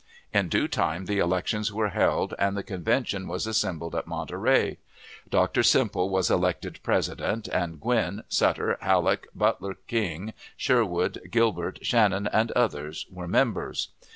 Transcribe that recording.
In due time the elections were held, and the convention was assembled at Monterey. Dr. Semple was elected president; and Gwin, Sutter, Halleck, Butler King, Sherwood, Gilbert, Shannon, and others, were members.